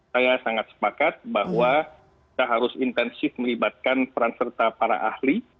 saya sangat sepakat bahwa kita harus intensif melibatkan peran serta para ahli